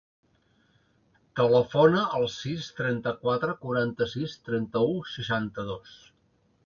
Telefona al sis, trenta-quatre, quaranta-sis, trenta-u, seixanta-dos.